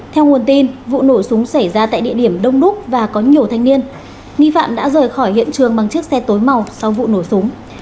theo nguồn tin vụ nổ súng xảy ra tại địa điểm đông đúc và có nhiều thanh niên nghi phạm đã rời khỏi hiện trường bằng chiếc xe tối màu sau vụ nổ súng